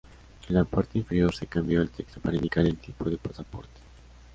En la parte inferior se cambió el texto para indicar el tipo de pasaporte.